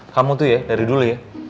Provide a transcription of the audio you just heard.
kamu tuh ya dari dulu ya